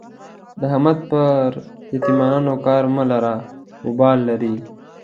د احمد پر يتيمانو کار مه لره؛ اوبال لري.